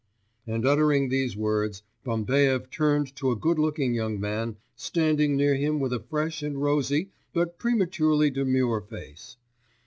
And uttering these words, Bambaev turned to a good looking young man standing near him with a fresh and rosy, but prematurely demure face.